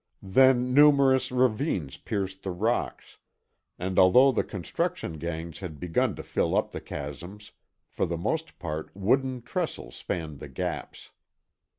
Then numerous ravines pierced the rocks, and although the construction gangs had begun to fill up the chasms, for the most part wooden trestles spanned the gaps.